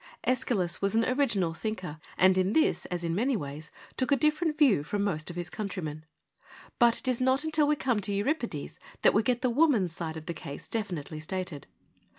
iEschylus was an original thinker, and in this, as in many ways, took a different view from most of his countrymen. But it is not until we come to Euri pides that we get the woman's side of the case definitely stated.